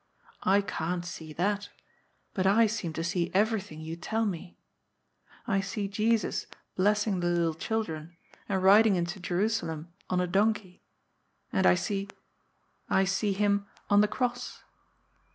I can't see that, but I seem to see everything you tell me. I see Jesus bless ing the little children, and riding into Jerusalem on a don key. And I see — I see Him, on the cross."